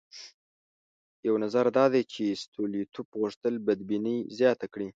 یو نظر دا دی چې ستولیتوف غوښتل بدبیني زیاته کړي.